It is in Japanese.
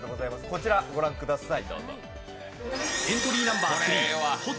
こちらご覧ください。